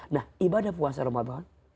nah ibadah puasa rumah buang